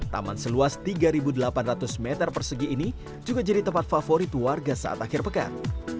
taman seluas tiga delapan ratus meter persegi ini juga jadi tempat favorit warga saat akhir pekan